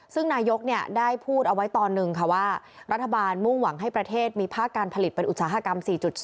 ซึ่งนายกได้พูดเอาไว้ตอนหนึ่งค่ะว่ารัฐบาลมุ่งหวังให้ประเทศมีภาคการผลิตเป็นอุตสาหกรรม๔๐